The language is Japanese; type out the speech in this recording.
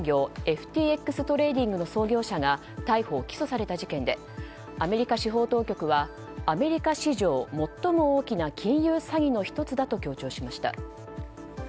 ＦＴＸトレーディングの創業者が逮捕・起訴された事件でアメリカ司法当局はアメリカ史上最も大きな金融詐欺の１つだと強調しました。